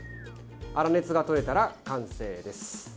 粗熱がとれたら完成です。